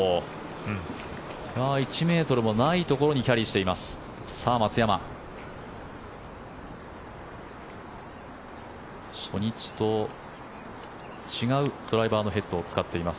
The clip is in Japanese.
１ｍもないところにキャリーしています。